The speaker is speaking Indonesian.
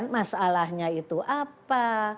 masalahnya itu apa